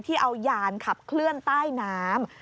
เอายานขับเคลื่อนใต้น้ำ